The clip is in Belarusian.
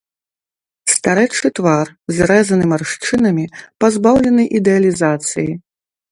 Старэчы твар, зрэзаны маршчынамі, пазбаўлены ідэалізацыі.